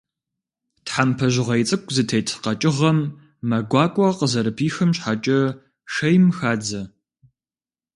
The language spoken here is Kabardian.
Тхьэмпэ жьгъей цӏыкӏу зытет къэкӏыгъэм мэ гуакӏуэ къызэрыпихым щхьэкӏэ, шейм хадзэ.